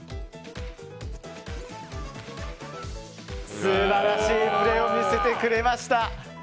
素晴らしいプレーを見せてくれました！